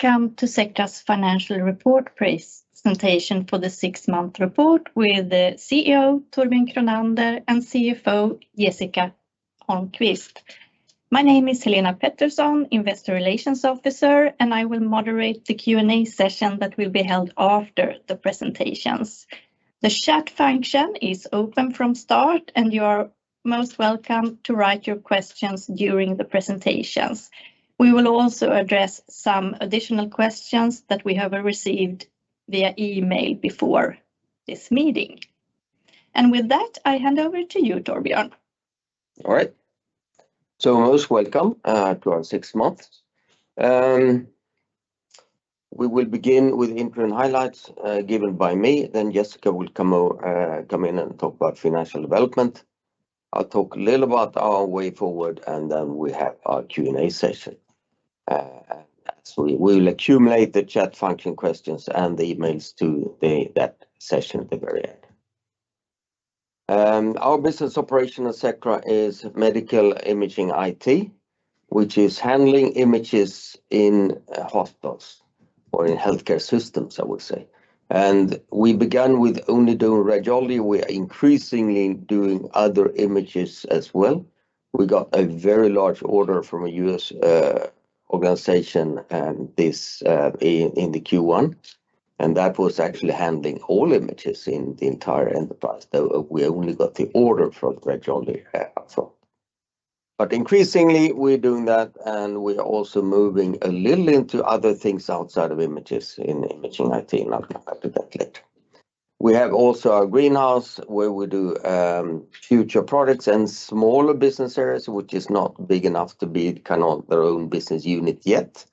Welcome to Sectra's financial report presentation for the six-month report with the CEO, Torbjörn Kronander, and CFO, Jessica Holmquist. My name is Helena Pettersson, Investor Relations Officer, and I will moderate the Q&A session that will be held after the presentations. The chat function is open from start, and you are most welcome to write your questions during the presentations. We will also address some additional questions that we have received via email before this meeting. With that, I hand over to you, Torbjörn. All right. So most welcome to our six months. We will begin with interim highlights given by me, then Jessica will come in and talk about financial development. I'll talk a little about our way forward, and then we have our Q&A session. We will accumulate the chat function questions and the emails to that session at the very end. Our business operation at Sectra is medical Imaging IT, which is handling images in hospitals or in healthcare systems, I would say. We began with only doing radiology. We are increasingly doing other images as well. We got a very large order from a U.S. organization, and this in the Q1, and that was actually handling all images in the entire enterprise, though we only got the order for radiology, so... But increasingly, we're doing that, and we're also moving a little into other things outside of images in imaging, I think. I'll come back to that later. We have also our greenhouse, where we do future products and smaller business areas, which is not big enough to be kind of their own business unit yet,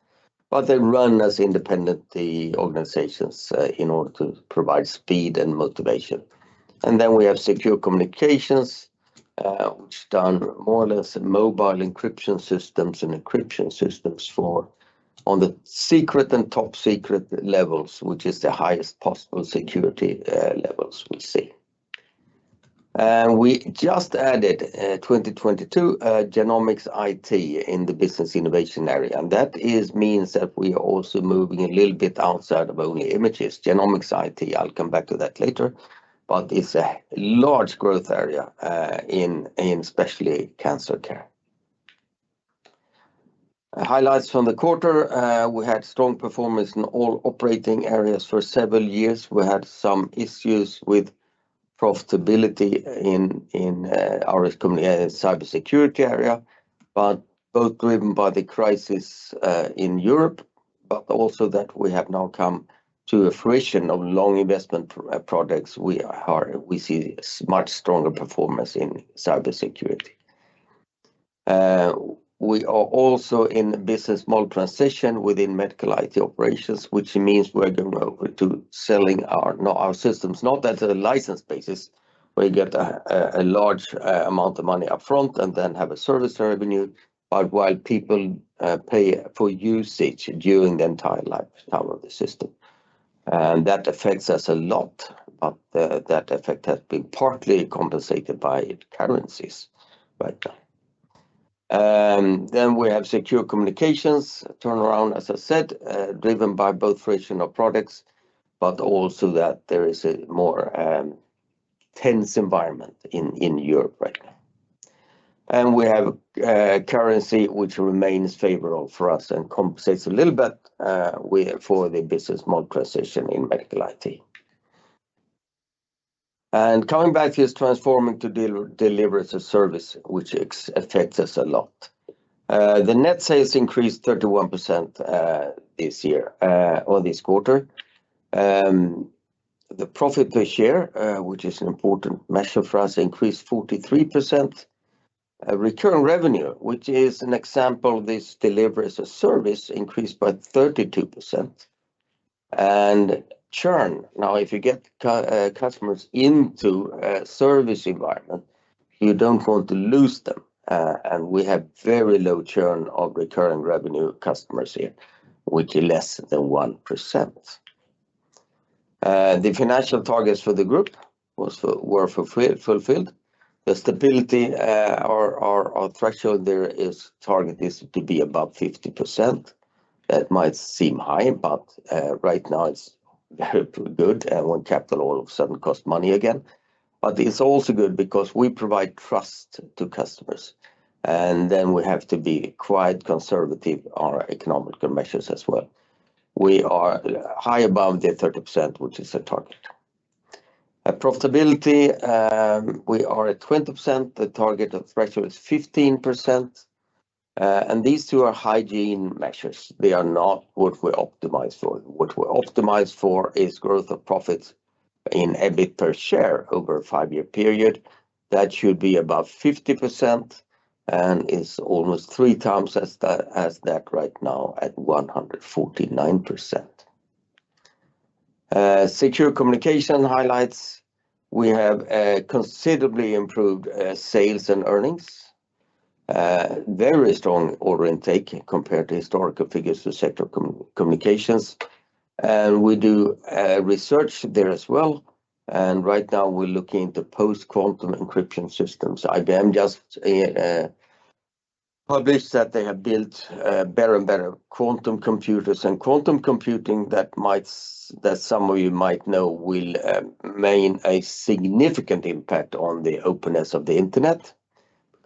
but they run as independently organizations in order to provide speed and motivation. And then we have Secure Communications, which done more or less in mobile encryption systems and encryption systems for on the secret and top secret levels, which is the highest possible security levels we see. And we just added 2022 Genomics IT in the Business Innovation area, and that is means that we are also moving a little bit outside of only images, Genomics IT. I'll come back to that later, but it's a large growth area, in especially cancer care. Highlights from the quarter, we had strong performance in all operating areas for several years. We had some issues with profitability in our cybersecurity area, but both driven by the crisis in Europe, but also that we have now come to the fruition of long investment products. We are, we see much stronger performance in cybersecurity. We are also in the business model transition within medical IT operations, which means we're going over to selling our, not our systems, not at a license basis, where you get a large amount of money upfront and then have a service revenue, but while people pay for usage during the entire lifetime of the system, and that affects us a lot, but that effect has been partly compensated by currencies. But then we have Secure Communications, turnaround, as I said, driven by both fruition of products, but also that there is a more tense environment in Europe right now. And we have a currency which remains favorable for us and compensates a little bit, we, for the business model transition in medical IT. And coming back to this transforming to deliverance of service, which affects us a lot. The net sales increased 31%, this year, or this quarter. The profit per share, which is an important measure for us, increased 43%. Recurring revenue, which is an example of this delivery as a service, increased by 32%. And churn, now, if you get customers into a service environment, you don't want to lose them, and we have very low churn of recurring revenue customers here, which is less than 1%. The financial targets for the group were fulfilled, fulfilled. The stability, our threshold there is target is to be above 50%. That might seem high, but right now it's very good, and when capital all of a sudden cost money again. But it's also good because we provide trust to customers, and then we have to be quite conservative on our economical measures as well. We are high above the 30%, which is the target. At profitability, we are at 20%. The target of threshold is 15%, and these two are hygiene measures. They are not what we optimize for. What we optimize for is growth of profits in EBIT per share over a five-year period. That should be above 50% and is almost three times as the, as that right now at 149%. Secure Communications highlights, we have considerably improved sales and earnings, very strong order intake compared to historical figures to Sectra Communications. And we do research there as well, and right now we're looking into post-quantum encryption systems. IBM just published that they have built better and better quantum computers, and quantum computing that some of you might know will mean a significant impact on the openness of the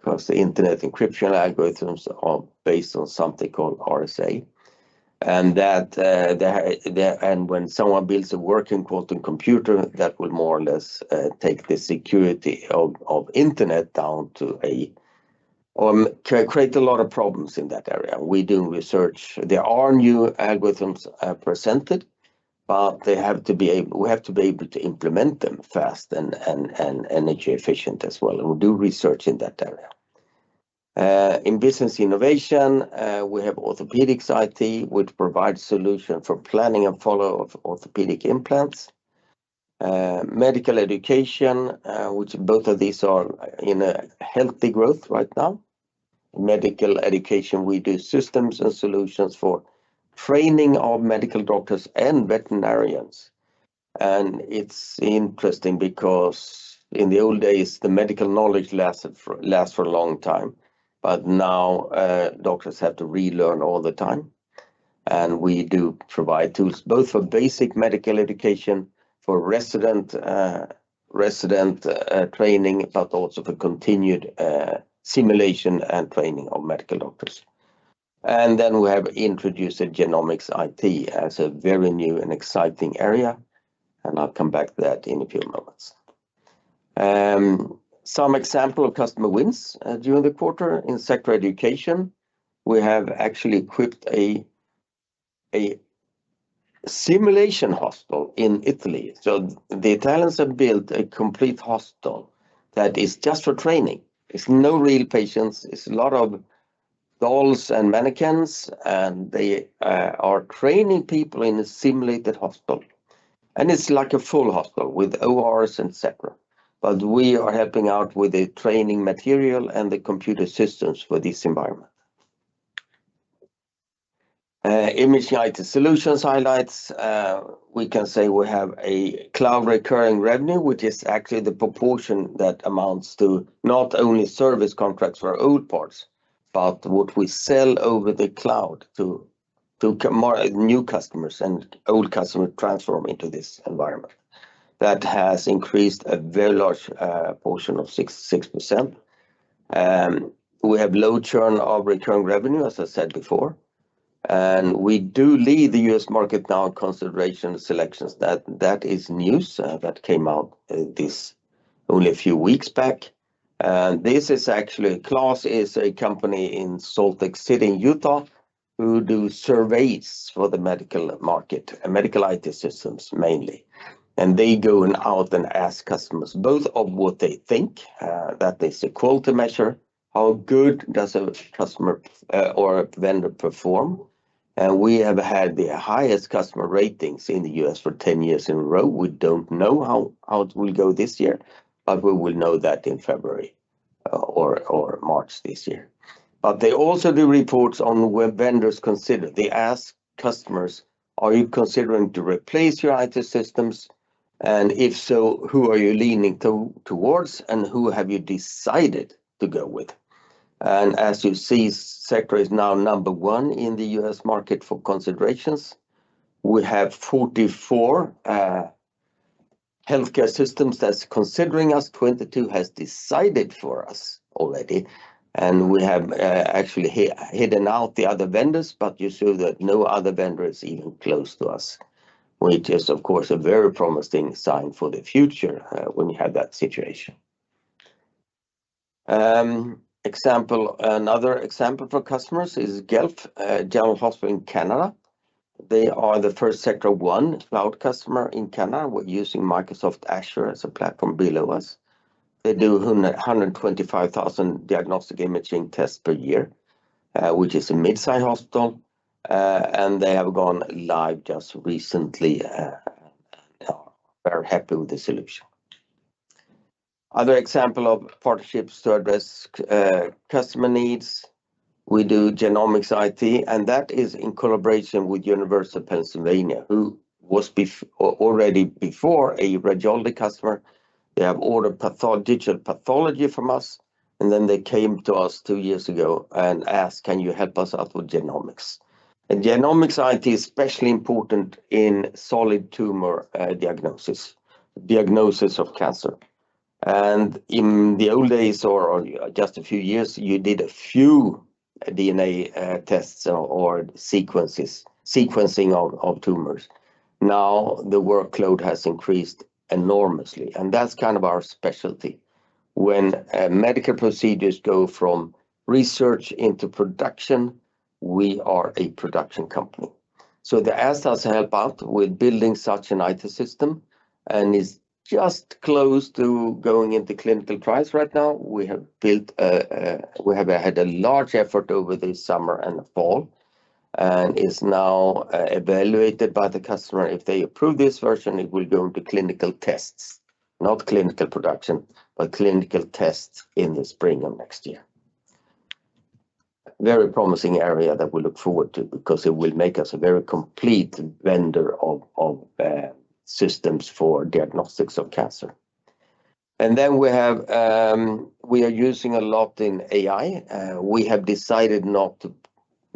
internet, because the internet encryption algorithms are based on something called RSA. And when someone builds a working quantum computer, that will more or less take the security of internet down to a create a lot of problems in that area. We do research. There are new algorithms presented, but we have to be able to implement them fast and energy efficient as well, and we do research in that area. In Business Innovation, we have Orthopaedics IT, which provide solution for planning and follow of orthopedic implants. Medical Education, which both of these are in a healthy growth right now. Medical Education, we do systems and solutions for training of medical doctors and veterinarians. And it's interesting because in the old days, the medical knowledge lasted for a long time, but now, doctors have to relearn all the time. And we do provide tools both for basic Medical Education, for resident training, but also for continued simulation and training of medical doctors. And then we have introduced a Genomics IT as a very new and exciting area, and I'll come back to that in a few moments. Some example of customer wins during the quarter. In Sectra Education, we have actually equipped a simulation hospital in Italy. So the Italians have built a complete hospital that is just for training. It's no real patients. It's a lot of dolls and mannequins, and they are training people in a simulated hospital. And it's like a full hospital with ORs and et cetera. But we are helping out with the training material and the computer systems for this environment. Imaging IT Solutions highlights, we can say we have a cloud recurring revenue, which is actually the proportion that amounts to not only service contracts for old parts, but what we sell over the cloud to more new customers and old customer transform into this environment. That has increased a very large portion of 6%. We have low churn of recurring revenue, as I said before, and we do lead the U.S. market now in consideration selections. That is news that came out only a few weeks back. This is actually, KLAS is a company in Salt Lake City in Utah, who do surveys for the medical market and medical IT systems, mainly. They go out and ask customers both of what they think, that is a quality measure, how good does a customer or a vendor perform? We have had the highest customer ratings in the U.S. for 10 years in a row. We don't know how it will go this year, but we will know that in February or March this year. They also do reports on where vendors consider. They ask customers: "Are you considering to replace your IT systems? And if so, who are you leaning towards, and who have you decided to go with?" As you see, Sectra is now number one in the U.S. market for considerations. We have 44 healthcare systems that's considering us. 22 has decided for us already, and we have actually hidden out the other vendors, but you see that no other vendor is even close to us, which is, of course, a very promising sign for the future when you have that situation. Example, another example for customers is Guelph General Hospital in Canada. They are the first Sectra One Cloud customer in Canada. We're using Microsoft Azure as a platform below us. They do 125,000 diagnostic imaging tests per year, which is a mid-size hospital, and they have gone live just recently and are very happy with the solution. Other example of partnerships to address customer needs, we do Genomics IT, and that is in collaboration with University of Pennsylvania, who was already before a radiology customer. They have ordered digital pathology from us, and then they came to us two years ago and asked, "Can you help us out with genomics?" And Genomics IT is especially important in solid tumor diagnosis, diagnosis of cancer. And in the old days, or just a few years, you did a few DNA tests or sequences, sequencing of tumors. Now, the workload has increased enormously, and that's kind of our specialty. When medical procedures go from research into production, we are a production company. So they asked us to help out with building such an IT system, and it's just close to going into clinical trials right now. We have had a large effort over the summer and fall, and is now evaluated by the customer. If they approve this version, it will go to clinical tests, not clinical production, but clinical tests in the spring of next year. Very promising area that we look forward to because it will make us a very complete vendor of systems for diagnostics of cancer. And then we are using a lot in AI. We have decided not to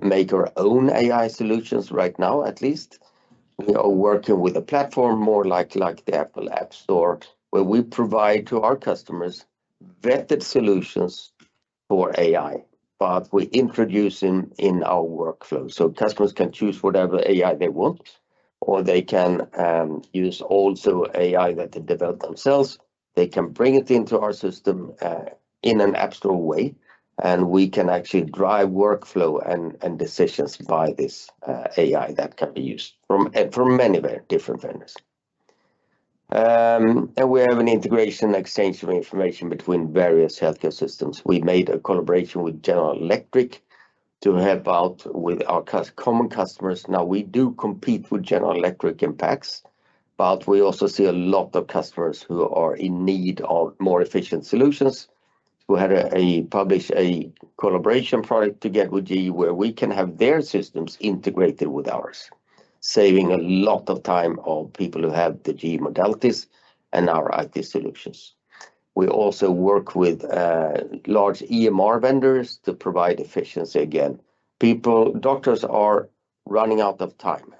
make our own AI solutions right now, at least. We are working with a platform more like the Apple App Store, where we provide to our customers vetted solutions for AI, but we introduce them in our workflow. So customers can choose whatever AI they want, or they can use also AI that they develop themselves. They can bring it into our system, in an app store way, and we can actually drive workflow and decisions by this AI that can be used from many very different vendors. And we have an integration exchange of information between various healthcare systems. We made a collaboration with General Electric to help out with our common customers. Now, we do compete with General Electric in PACS, but we also see a lot of customers who are in need of more efficient solutions. We had published a collaboration project together with GE, where we can have their systems integrated with ours, saving a lot of time of people who have the GE modalities and our IT Solutions. We also work with large EMR vendors to provide efficiency again. People, doctors are running out of time.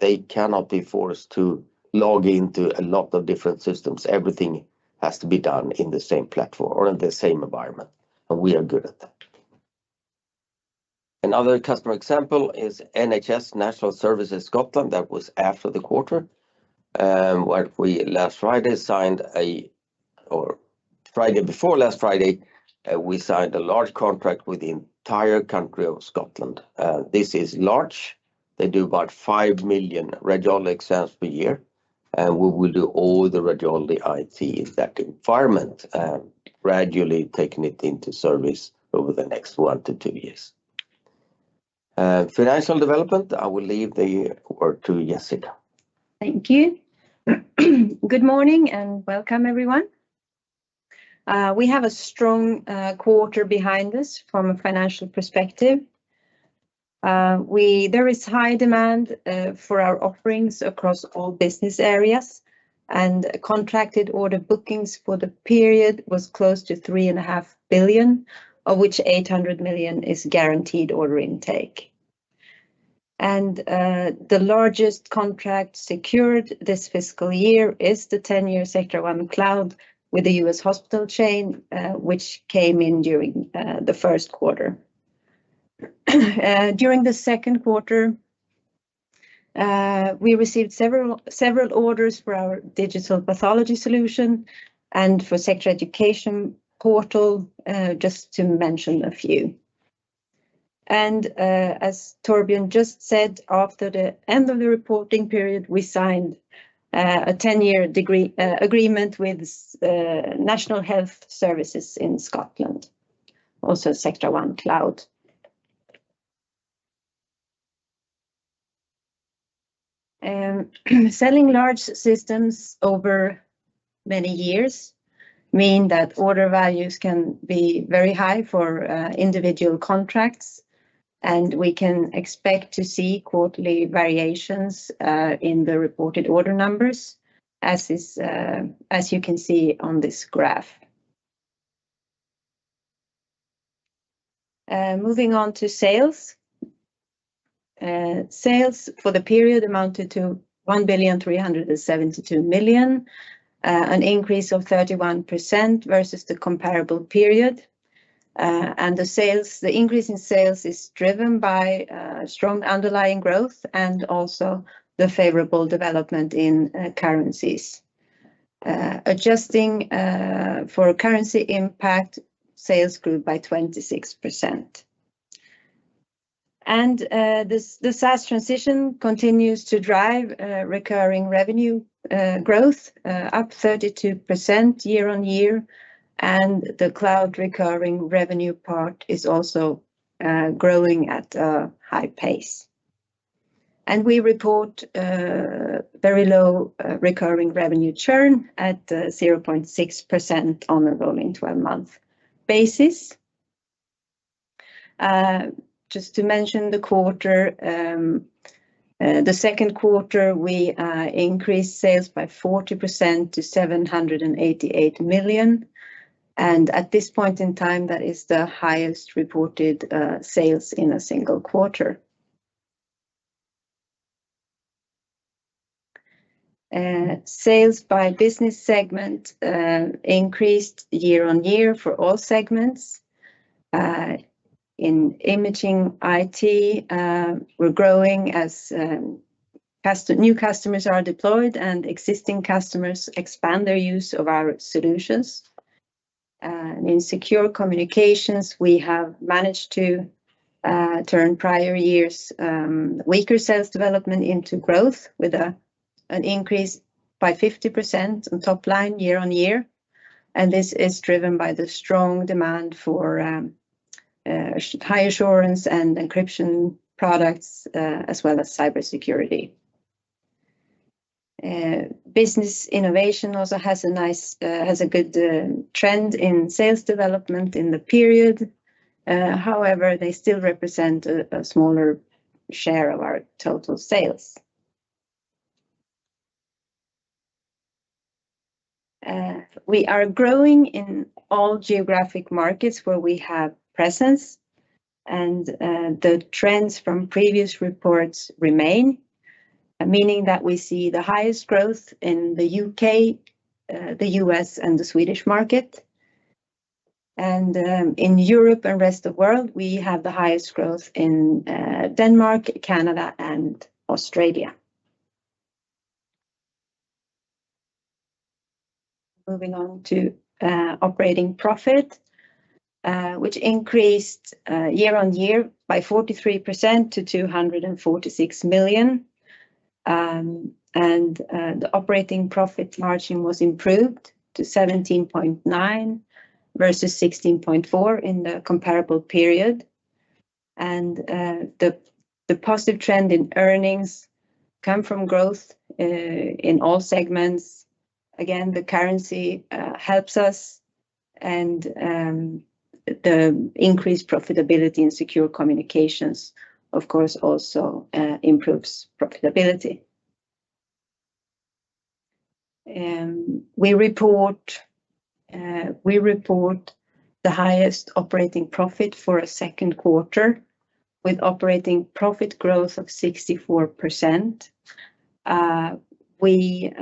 They cannot be forced to log into a lot of different systems. Everything has to be done in the same platform or in the same environment, and we are good at that. Another customer example is NHS National Services Scotland. That was after the quarter. What we last Friday signed a, or Friday before last Friday, we signed a large contract with the entire country of Scotland. This is large. They do about 5 million radiology exams per year, and we will do all the radiology IT in that environment, gradually taking it into service over the next one-two years. Financial development, I will leave the word to Jessica. Thank you. Good morning, and welcome, everyone. We have a strong quarter behind us from a financial perspective. There is high demand for our offerings across all business areas, and contracted order bookings for the period was close to 3.5 billion, of which 800 million is guaranteed order intake. The largest contract secured this fiscal year is the ten-year Sectra One Cloud with the U.S. hospital chain, which came in during the Q1. During the Q2, we received several orders for our digital pathology solution and for Sectra Education Portal, just to mention a few. As Torbjörn just said, after the end of the reporting period, we signed a ten-year deal agreement with National Health Services in Scotland, also Sectra One Cloud. Selling large systems over many years mean that order values can be very high for individual contracts, and we can expect to see quarterly variations in the reported order numbers, as is, as you can see on this graph. Moving on to sales. Sales for the period amounted to 1,372 million, an increase of 31% versus the comparable period. And the sales, the increase in sales is driven by strong underlying growth and also the favorable development in currencies. Adjusting for currency impact, sales grew by 26%. And the SaaS transition continues to drive recurring revenue growth up 32% year-over-year, and the cloud recurring revenue part is also growing at a high pace. We report very low recurring revenue churn at 0.6% on a rolling twelve-month basis. Just to mention the quarter, the Q2, we increased sales by 40% to 788 million, and at this point in time, that is the highest reported sales in a single quarter. Sales by business segment increased year-on-year for all segments. In Imaging IT, we're growing as new customers are deployed and existing customers expand their use of our solutions. In Secure Communications, we have managed to turn prior years' weaker sales development into growth with an increase by 50% on top line, year-on-year, and this is driven by the strong demand for high assurance and encryption products, as well as cybersecurity.... Business Innovation also has a nice, has a good, trend in sales development in the period. However, they still represent a smaller share of our total sales. We are growing in all geographic markets where we have presence, and the trends from previous reports remain, meaning that we see the highest growth in the U.K., the U.S., and the Swedish market. In Europe and rest of world, we have the highest growth in Denmark, Canada, and Australia. Moving on to operating profit, which increased year-on-year by 43% to 246 million. The operating profit margin was improved to 17.9% versus 16.4% in the comparable period. The positive trend in earnings come from growth in all segments. Again, the currency helps us, and the increased profitability and Secure Communications, of course, also improves profitability. We report the highest operating profit for a Q2, with operating profit growth of 64%. We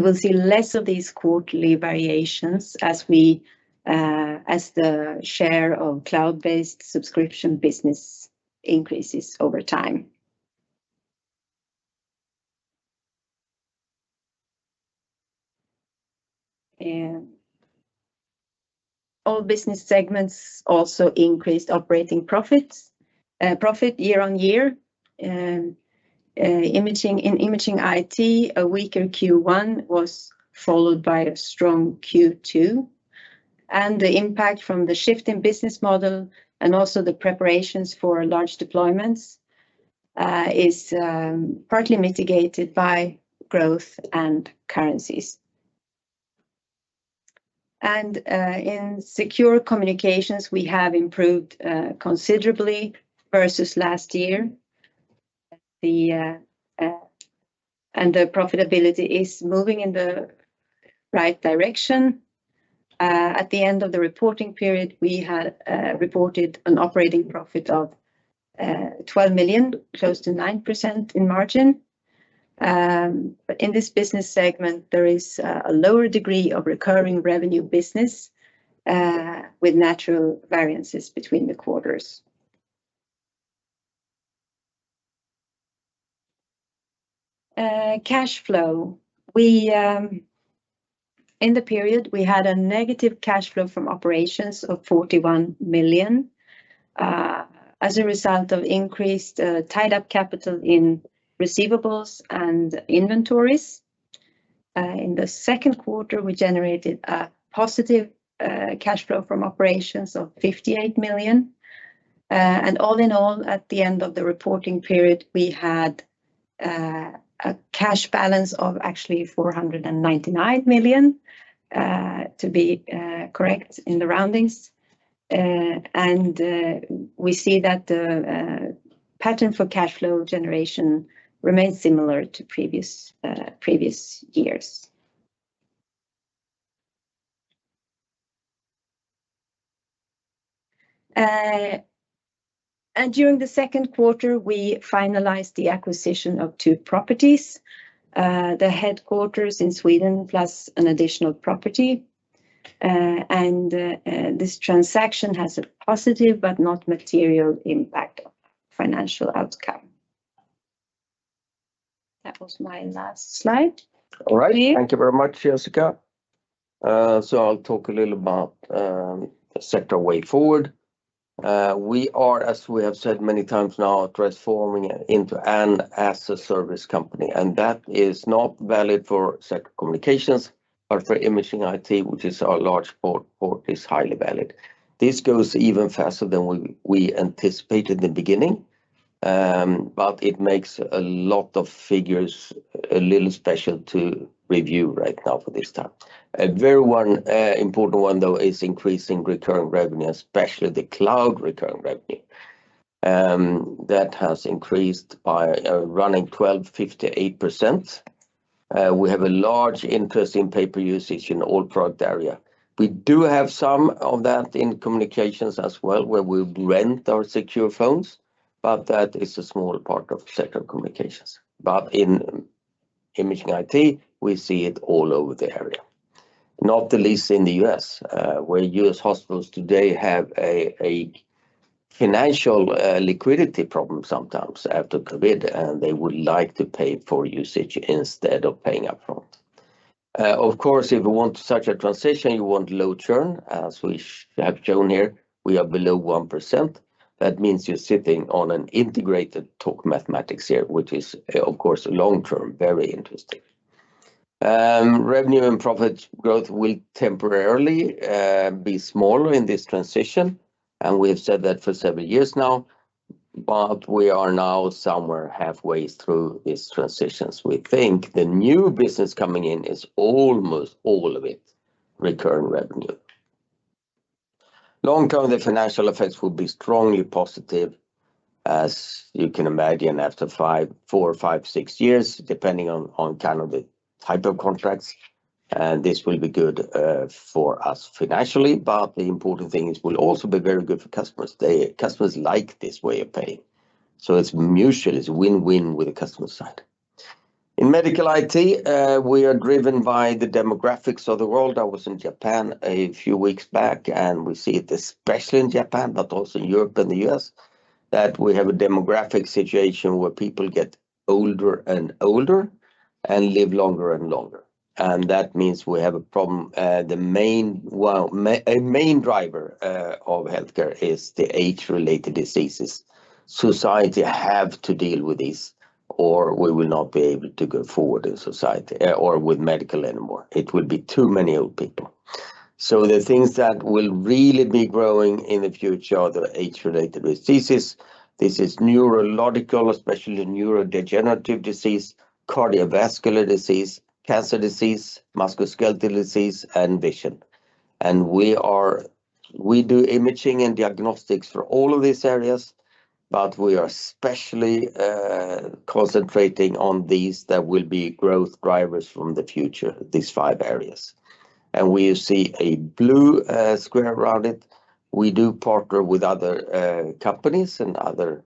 will see less of these quarterly variations as the share of cloud-based subscription business increases over time. All business segments also increased operating profit year-on-year. In Imaging IT, a weaker Q1 was followed by a strong Q2, and the impact from the shift in business model, and also the preparations for large deployments is partly mitigated by growth and currencies. And in Secure Communications, we have improved considerably versus last year. And the profitability is moving in the right direction. At the end of the reporting period, we had reported an operating profit of 12 million, close to 9% in margin. But in this business segment, there is a lower degree of recurring revenue business with natural variances between the quarters. Cash flow. We in the period, we had a negative cash flow from operations of 41 million as a result of increased tied-up capital in receivables and inventories. In the Q2, we generated a positive cash flow from operations of 58 million. And all in all, at the end of the reporting period, we had a cash balance of actually 499 million to be correct in the roundings. And we see that the pattern for cash flow generation remains similar to previous years. During the Q2, we finalized the acquisition of two properties, the headquarters in Sweden, plus an additional property. This transaction has a positive, but not material, impact on financial outcome. That was my last slide. All right. Thank you very much, Jessica. So I'll talk a little about Sectra IT Way Forward. We are, as we have said many times now, transforming into a SaaS service company, and that is not valid for Secure Communications, but for Imaging IT, which is our large part, is highly valid. This goes even faster than we anticipated in the beginning, but it makes a lot of figures a little special to review right now for this time. A very important one, though, is increasing recurring revenue, especially the cloud recurring revenue. That has increased by a running 12.5% to 8%. We have a large interest in pay-per-usage in all product area. We do have some of that in communications as well, where we rent our secure phones, but that is a small part of Secure Communications. But in Imaging IT, we see it all over the area, not the least in the U.S., where U.S. hospitals today have a financial liquidity problem sometimes after COVID, and they would like to pay for usage instead of paying upfront. Of course, if you want such a transition, you want low churn, as we have shown here, we are below 1%. That means you're sitting on an integrated talk mathematics here, which is, of course, long term, very interesting. Revenue and profit growth will temporarily be smaller in this transition, and we have said that for several years now, but we are now somewhere halfway through these transitions. We think the new business coming in is almost all of it recurring revenue. Long-term, the financial effects will be strongly positive, as you can imagine, after five, four, five, six years, depending on kind of the type of contracts, this will be good for us financially, but the important thing is we'll also be very good for customers. Customers like this way of paying, so it's mutual. It's win-win with the customer side. In medical IT, we are driven by the demographics of the world. I was in Japan a few weeks back, and we see it, especially in Japan, but also Europe and the U.S., that we have a demographic situation where people get older and older and live longer and longer, and that means we have a problem. The main, well, a main driver of healthcare is the age-related diseases. Society have to deal with this, or we will not be able to go forward in society, or with medical anymore. It will be too many old people. So the things that will really be growing in the future are the age-related diseases. This is neurological, especially neurodegenerative disease, cardiovascular disease, cancer disease, musculoskeletal disease, and vision. And we do imaging and diagnostics for all of these areas, but we are especially concentrating on these that will be growth drivers from the future, these five areas. And we see a blue square around it. We do partner with other companies and other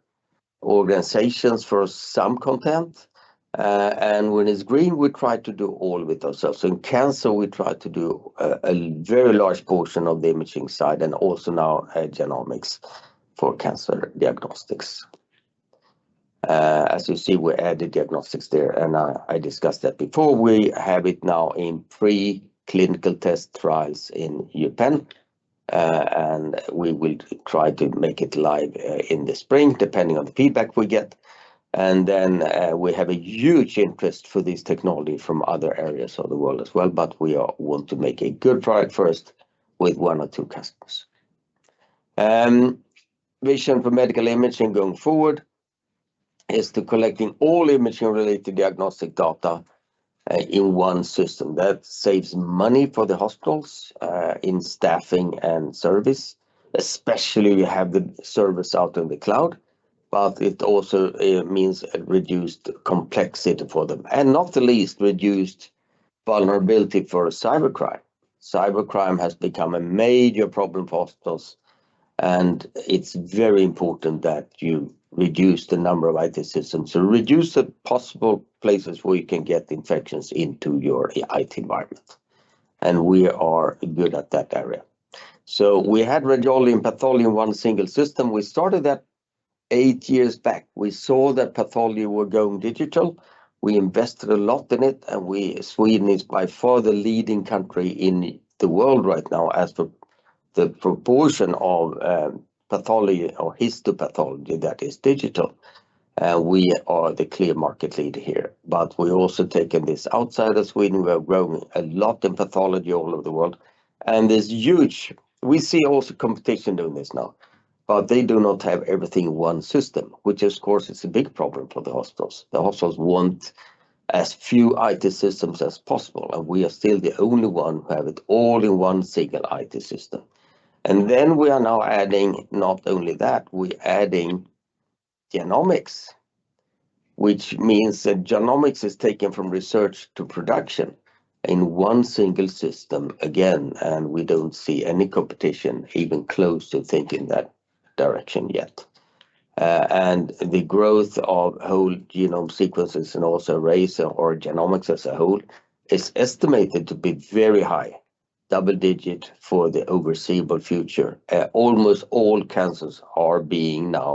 organizations for some content, and when it's green, we try to do all with ourselves. So in cancer, we try to do a very large portion of the imaging side and also now genomics for cancer diagnostics. As you see, we added diagnostics there, and I discussed that before. We have it now in pre-clinical test trials in Japan, and we will try to make it live in the spring, depending on the feedback we get. And then we have a huge interest for this technology from other areas of the world as well, but we want to make a good product first with one or two customers. Vision for medical imaging going forward is to collecting all imaging-related diagnostic data in one system. That saves money for the hospitals in staffing and service, especially we have the service out in the cloud, but it also means a reduced complexity for them, and not the least, reduced vulnerability for cybercrime. Cybercrime has become a major problem for hospitals, and it's very important that you reduce the number of IT systems, so reduce the possible places where you can get infections into your IT environment, and we are good at that area. So we had radiology and pathology in one single system. We started that 8 years back. We saw that pathology were going digital. We invested a lot in it, and Sweden is by far the leading country in the world right now as to the proportion of pathology or histopathology that is digital. We are the clear market leader here, but we're also taking this outside of Sweden. We are growing a lot in pathology all over the world, and there's huge. We see also competition doing this now, but they do not have everything in one system, which of course is a big problem for the hospitals. The hospitals want as few IT systems as possible, and we are still the only one who have it all in one single IT system. And then we are now adding not only that, we adding genomics, which means that genomics is taken from research to production in one single system again, and we don't see any competition even close to thinking that direction yet. And the growth of whole genome sequences and also race or genomics as a whole is estimated to be very high, double-digit for the foreseeable future. Almost all cancers are being now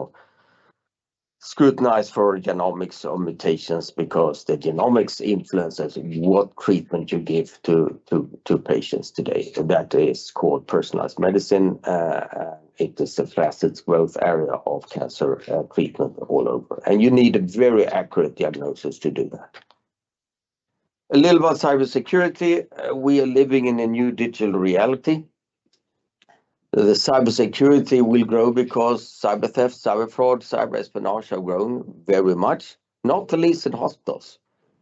scrutinized for genomics or mutations because the genomics influences what treatment you give to patients today. That is called personalized medicine. It is a fastest growth area of cancer treatment all over, and you need a very accurate diagnosis to do that. A little about cybersecurity. We are living in a new digital reality. The cybersecurity will grow because cyber theft, cyber fraud, cyber espionage have grown very much, not the least in hospitals.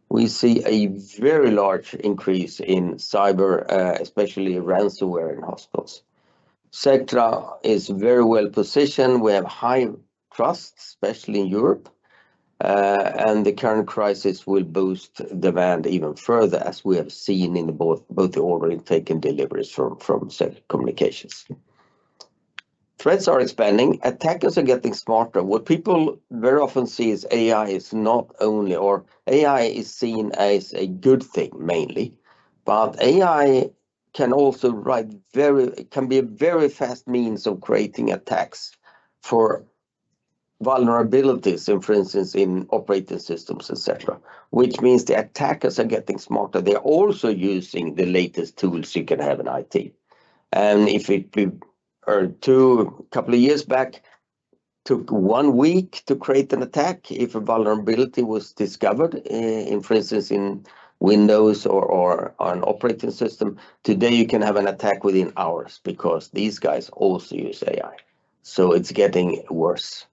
We see a very large increase in cyber, especially ransomware in hospitals. Sectra is very well positioned. We have high trust, especially in Europe, and the current crisis will boost demand even further, as we have seen in both the order intake and deliveries from Secure Communications. Threats are expanding. Attackers are getting smarter. What people very often see is AI is not only, or AI is seen as a good thing, mainly, but AI can also write very it can be a very fast means of creating attacks for vulnerabilities, so for instance, in operating systems, et cetera, which means the attackers are getting smarter. They're also using the latest tools you can have in IT. And if it be two, couple of years back took one week to create an attack if a vulnerability was discovered in for instance, in Windows or, or on operating system. Today, you can have an attack within hours because these guys also use AI, so it's getting worse.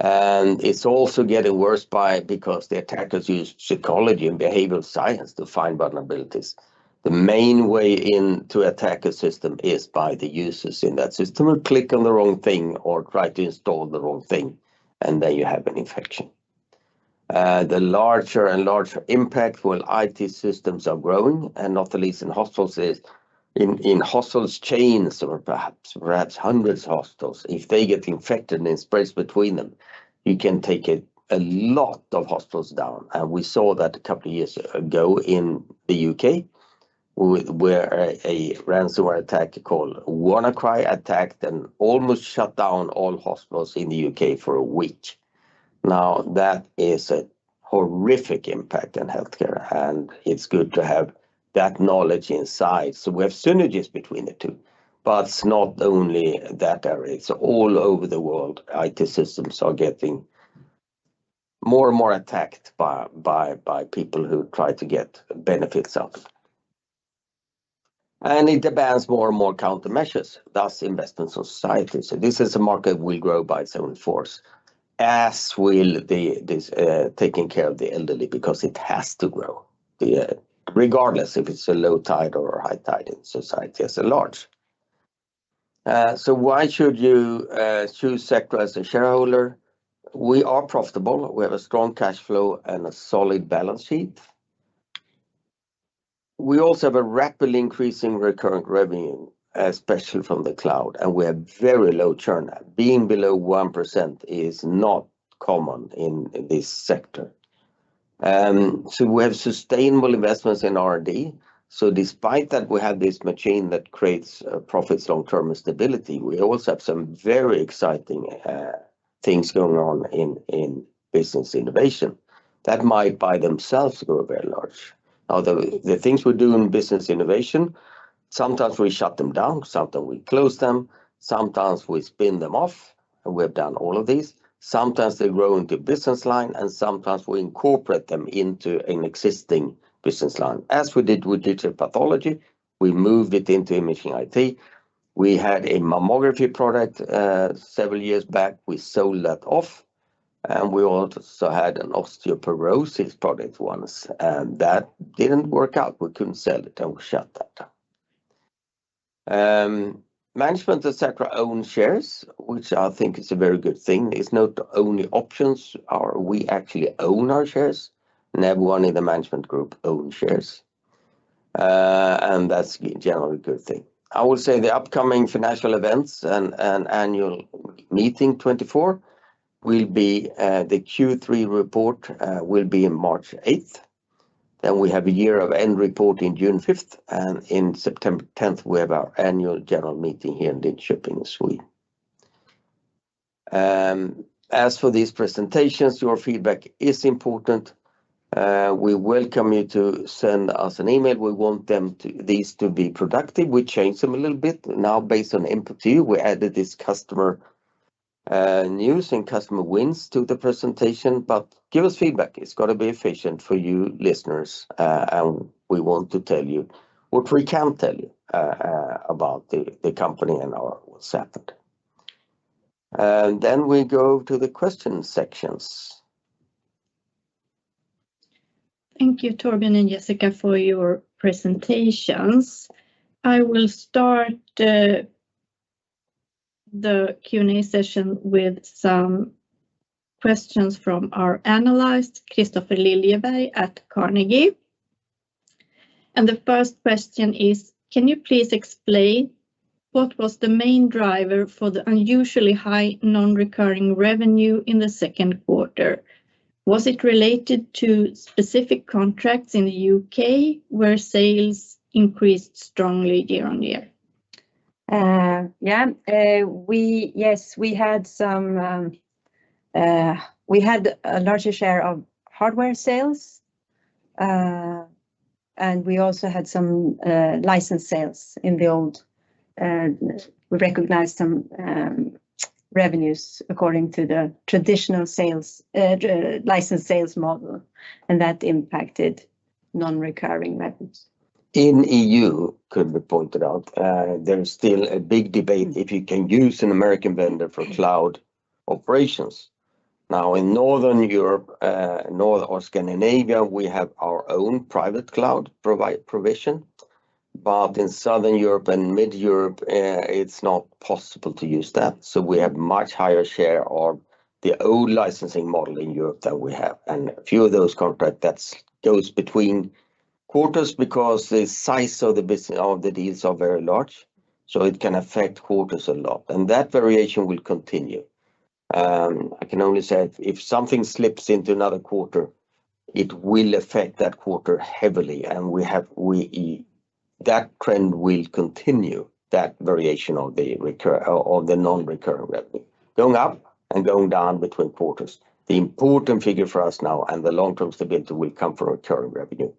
And it's also getting worse by because the attackers use psychology and behavioral science to find vulnerabilities. The main way in to attack a system is by the users in that system, will click on the wrong thing or try to install the wrong thing, and then you have an infection. The larger and larger impact while IT systems are growing, and not the least in hospitals, is in hospital chains or perhaps hundreds of hospitals, if they get infected and it spreads between them, you can take a lot of hospitals down, and we saw that a couple of years ago in the U.K., where a ransomware attack called WannaCry attacked and almost shut down all hospitals in the U.K. for a week. Now, that is a horrific impact on healthcare, and it's good to have that knowledge inside. So we have synergies between the two, but it's not only that area. It's all over the world, IT systems are getting more and more attacked by people who try to get benefits out. It demands more and more countermeasures, thus invest in society. So this is a market will grow by seven force, as will this taking care of the elderly, because it has to grow, regardless if it's a low tide or a high tide in society as a large. So why should you choose Sectra as a shareholder? We are profitable. We have a strong cash flow and a solid balance sheet. We also have a rapidly increasing recurring revenue, especially from the cloud, and we have very low churn. Being below 1% is not common in this sector. So we have sustainable investments in R&D. So despite that, we have this machine that creates profits, long-term stability. We also have some very exciting things going on in Business Innovation that might, by themselves, grow very large. Although the things we do in Business Innovation, sometimes we shut them down, sometimes we close them, sometimes we spin them off, and we have done all of these. Sometimes they grow into business line, and sometimes we incorporate them into an existing business line, as we did with digital pathology. We moved it into Imaging IT. We had a mammography product several years back. We sold that off, and we also had an osteoporosis product once, and that didn't work out. We couldn't sell it, and we shut that down. Management, et cetera, own shares, which I think is a very good thing. It's not the only options, or we actually own our shares, and everyone in the management group own shares. That's generally a good thing. I will say the upcoming financial events and annual meeting 2024 will be the Q3 report will be in March 8th. Then we have a year-end report in June 5th, and in September 10th, we have our annual general meeting here in Linköping, Sweden. As for these presentations, your feedback is important. We welcome you to send us an email. We want these to be productive. We changed them a little bit. Now, based on input to you, we added this customer news and customer wins to the presentation, but give us feedback. It's got to be efficient for you listeners, and we want to tell you what we can tell you about the company and our what's happened. And then we go to the question sections. Thank you, Torbjörn and Jessica, for your presentations. I will start the Q&A session with some questions from our analyst, Kristofer Liljeberg at Carnegie. The first question is, can you please explain what was the main driver for the unusually high non-recurring revenue in the Q2? Was it related to specific contracts in the U.K., where sales increased strongly year-on-year? Yeah, yes, we had a larger share of hardware sales, and we also had some license sales in the old. We recognized some revenues according to the traditional sales license sales model, and that impacted non-recurring revenues. In the EU, it could be pointed out, there is still a big debate if you can use an American vendor for cloud operations. Now, in Northern Europe, North or Scandinavia, we have our own private cloud provision, but in Southern Europe and Mid Europe, it's not possible to use that. So we have much higher share of the old licensing model in Europe than we have. A few of those contracts that go between quarters because the size of the deals are very large, so it can affect quarters a lot, and that variation will continue. I can only say if something slips into another quarter, it will affect that quarter heavily, and we have that trend will continue, that variation of the recurring non-recurring revenue, going up and going down between quarters. The important figure for us now, and the long-term stability, will come from recurring revenue,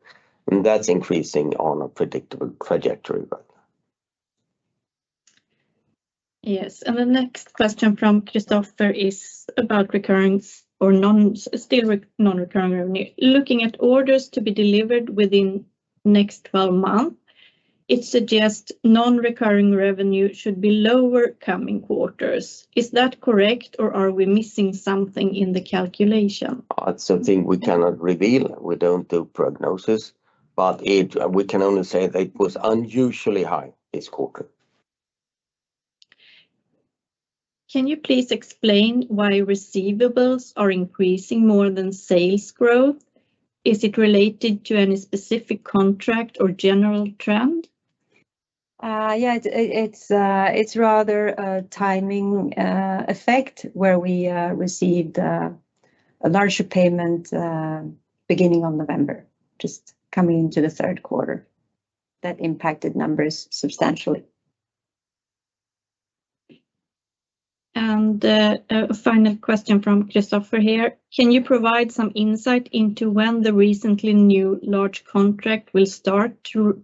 and that's increasing on a predictable trajectory but-... Yes, and the next question from Kristofer is about recurring or non-recurring revenue. Looking at orders to be delivered within next 12 months, it suggests non-recurring revenue should be lower coming quarters. Is that correct, or are we missing something in the calculation? That's something we cannot reveal. We don't do prognosis, but we can only say that it was unusually high this quarter. Can you please explain why receivables are increasing more than sales growth? Is it related to any specific contract or general trend? Yeah, it's rather a timing effect, where we received a larger payment beginning of November, just coming into the Q3, that impacted numbers substantially. A final question from Kristofer here: can you provide some insight into when the recently new large contract will start to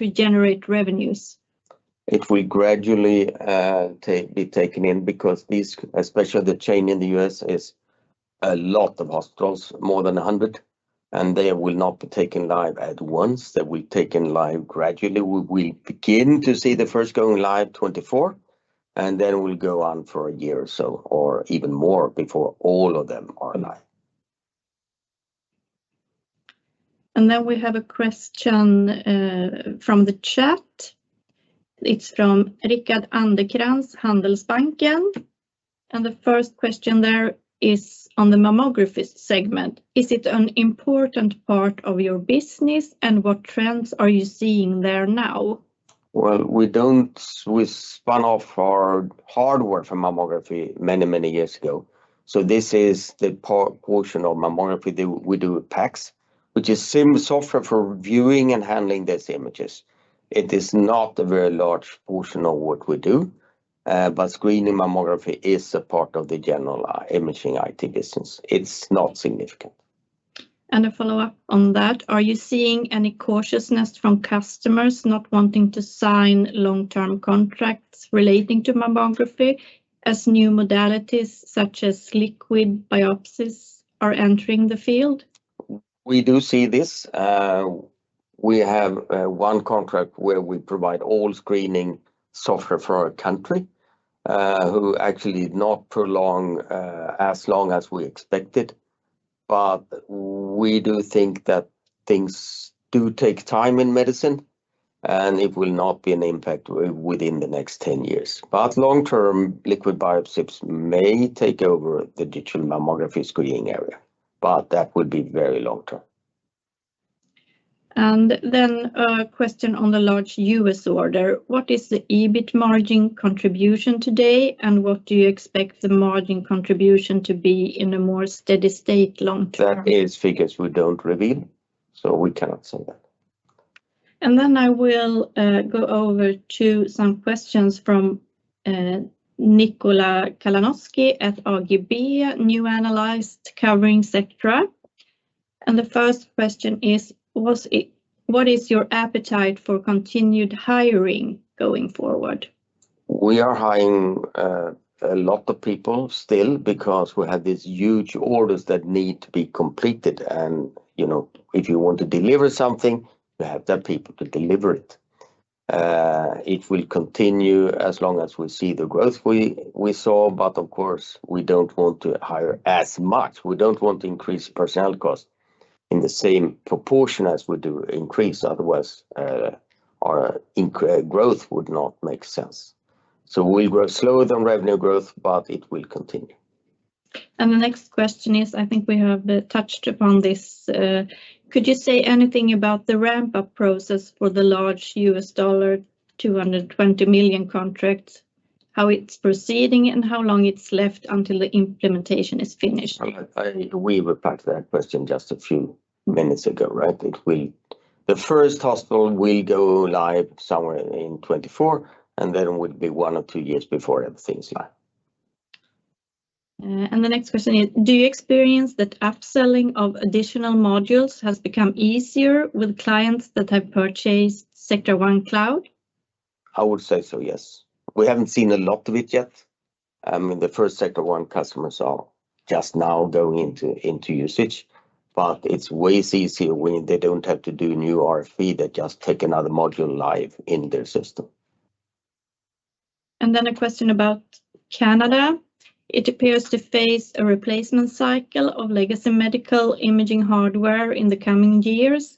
generate revenues? It will gradually be taken in because these, especially the chain in the U.S., is a lot of hospitals, more than 100, and they will not be taken live at once. They will be taken live gradually. We will begin to see the first going live 2024, and then will go on for a year or so, or even more, before all of them are live. And then we have a question from the chat. It's from Rickard Anderkrans, Handelsbanken, and the first question there is on the mammography segment. Is it an important part of your business, and what trends are you seeing there now? Well, we don't... We spun off our hardware for mammography many, many years ago, so this is the part-portion of mammography. We do PACS, which is same software for viewing and handling these images. It is not a very large portion of what we do, but screening mammography is a part of the general Imaging IT business. It's not significant. A follow-up on that, are you seeing any cautiousness from customers not wanting to sign long-term contracts relating to mammography, as new modalities such as liquid biopsies are entering the field? We do see this. We have one contract where we provide all screening software for a country who actually not prolong as long as we expected. But we do think that things do take time in medicine, and it will not be an impact within the next 10 years. But long-term, liquid biopsies may take over the digital mammography screening area, but that would be very long-term. A question on the large U.S. order. What is the EBIT margin contribution today, and what do you expect the margin contribution to be in a more steady state long-term? That is figures we don't reveal, so we cannot say that. And then I will go over to some questions from Nikola Kalanoski at ABG, new analyst covering Sectra. And the first question is, what is your appetite for continued hiring going forward? We are hiring a lot of people still, because we have these huge orders that need to be completed, and, you know, if you want to deliver something, you have to have people to deliver it. It will continue as long as we see the growth we saw, but of course, we don't want to hire as much. We don't want to increase personnel cost in the same proportion as we do increase, otherwise, our growth would not make sense. So we'll grow slower than revenue growth, but it will continue. The next question is, I think we have touched upon this: could you say anything about the ramp-up process for the large $220 million contract, how it's proceeding, and how long it's left until the implementation is finished? I, we replied to that question just a few minutes ago, right? The first hospital will go live somewhere in 2024, and then it will be one or two years before everything's live. And the next question is, do you experience that upselling of additional modules has become easier with clients that have purchased Sectra One Cloud? I would say so, yes. We haven't seen a lot of it yet. I mean, the first Sectra One customers are just now going into usage, but it's ways easier when they don't have to do new RFP. They just take another module live in their system. And then a question about Canada. It appears to face a replacement cycle of legacy medical imaging hardware in the coming years.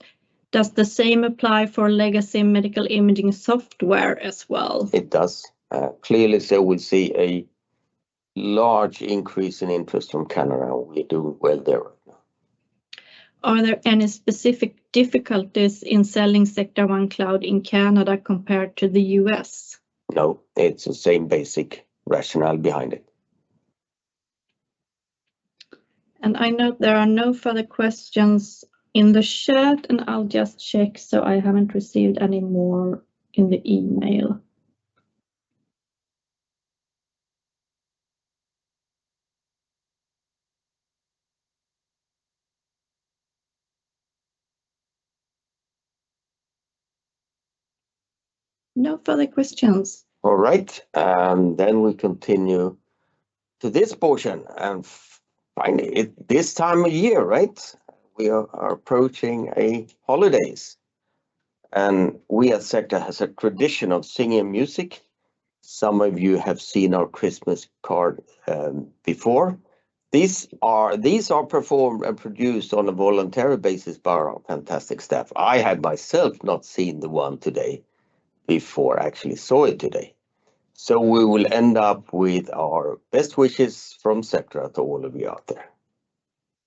Does the same apply for legacy medical imaging software as well? It does. Clearly, so we see a large increase in interest from Canada, and we do well there. Are there any specific difficulties in selling Sectra One Cloud in Canada compared to the U.S.? No, it's the same basic rationale behind it. I note there are no further questions in the chat, and I'll just check, so I haven't received any more in the email. No further questions. All right, then we'll continue to this portion, and finally, it's this time of year, right? We are approaching the holidays, and we at Sectra has a tradition of singing and music. Some of you have seen our Christmas card before. These are performed and produced on a voluntary basis by our fantastic staff. I had myself not seen the one today before I actually saw it today. So we will end up with our best wishes from Sectra to all of you out there.